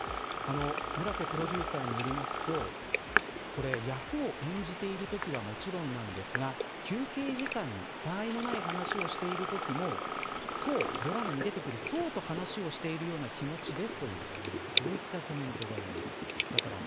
村瀬プロデューサーによりますと役を演じているときはもちろんなんですが休憩時間にたわいのない話をしてる瞬間もドラマに出てくる想と話をしているような気持ちですとそういったコメントでした。